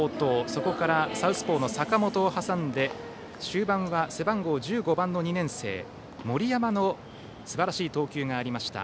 そこからサウスポーの坂本を挟み終盤は背番号１５番の２年生、森山のすばらしい投球がありました。